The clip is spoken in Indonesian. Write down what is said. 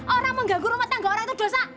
orang mengganggu rumah tangga orang itu dosa